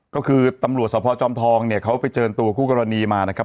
ก็คือตำรวจสพจอมทองเนี่ยเขาไปเจอตัวคู่กรณีมานะครับ